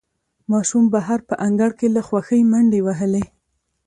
ماشوم بهر په انګړ کې له خوښۍ منډې وهلې